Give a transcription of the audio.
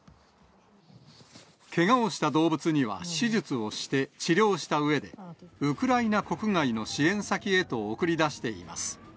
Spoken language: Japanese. けがをした動物には手術をして、治療したうえで、ウクライナ国外の支援先へと送り出しています。